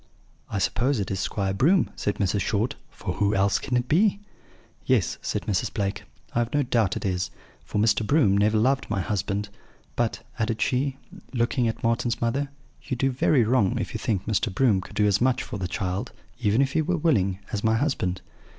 "'I suppose it is Squire Broom,' said Mrs. Short; 'for who else can it be?' "'Yes,' said Mrs. Blake, 'I have no doubt it is, for Mr. Broom never loved my husband. But,' added she, looking at Marten's mother, 'you do very wrong if you think Mr. Broom could do as much for the child (even if he were willing) as my husband.